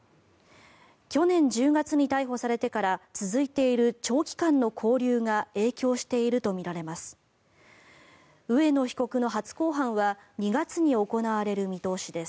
去年１０月に逮捕されてから続いている長期間の勾留が影響しているとみられます。